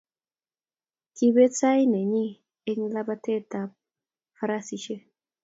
Kiibet sait nenyi eng labatet tab farasishek---